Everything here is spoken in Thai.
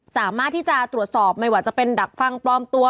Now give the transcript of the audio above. สามารถที่จะตรวจสอบไม่ว่าจะเป็นดักฟังปลอมตัว